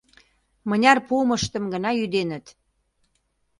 Мыняр пуымыштым гына ӱденыт.